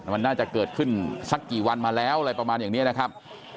มันน่าจะเกิดขึ้นสักกี่วันมาแล้วอะไรประมาณอย่างนี้นะครับ